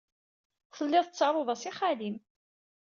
Telliḍ tettaruḍ-as i xali-m.